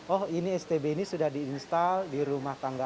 oh ini stb ini sudah diinstall di rumah tangga